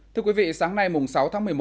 thưa quý vị sáng nay sáu tháng một mươi một